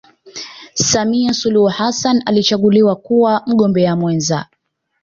samia suluhu hassan alichaguliwa kuwa mgombea mwenza